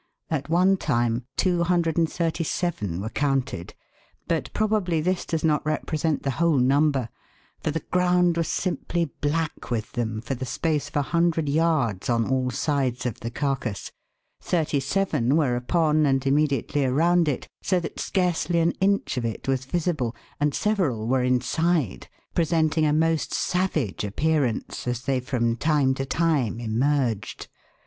At one time 237 were counted, but probably this does not represent the whole number; for the ground was simply black with them for the space of a hundred yards on all sides of the carcass, thirty seven were upon and immediately around it, so that scarcely an inch of it was visible, and several were inside, presenting a most savage appearance as they from time to time emerged.